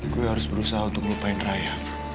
gue harus berusaha untuk melupain raya